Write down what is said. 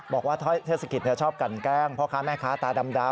บอกว่าเทศกิตรชอบแก่งพ่อและพ่อข้าตาดำ